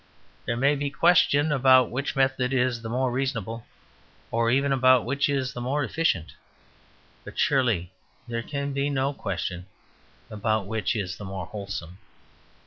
There may be question about which method is the more reasonable, or even about which is the more efficient. But surely there can be no question about which is the more wholesome.